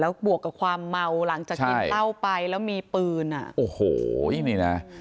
บวกกับความเมาหลังจากกินเหล้าไปแล้วมีปืนอ่ะโอ้โหนี่นะ